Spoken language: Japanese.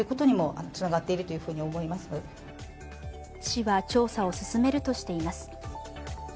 市は調査を進めるとしています。